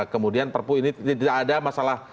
kemudian perpu ini tidak ada masalah